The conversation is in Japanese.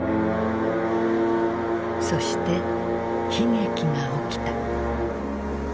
そして悲劇が起きた。